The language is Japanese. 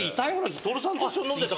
徹さんと一緒に飲んでた。